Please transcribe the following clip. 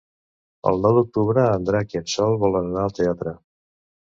El nou d'octubre en Drac i en Sol volen anar al teatre.